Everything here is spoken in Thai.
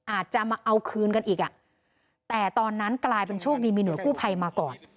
อาจจะมาเอาคืนกันอีกอ่ะแต่ตอนนั้นกลายเป็นโชคดีมีหน่วยกู้ภัยมาก่อน